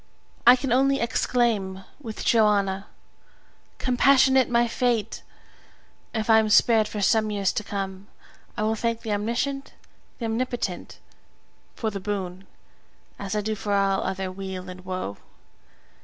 I can only exclaim with Johanna, "Compassionate my fate!" If I am spared for some years to come, I will thank the Omniscient, the Omnipotent, for the boon, as I do for all other weal and woe.